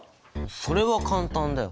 それは簡単だよ！